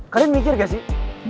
kalian mikir ga sih